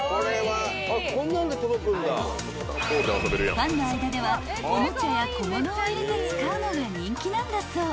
［ファンの間ではおもちゃや小物を入れて使うのが人気なんだそう］